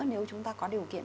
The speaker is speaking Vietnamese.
nếu chúng ta có điều kiện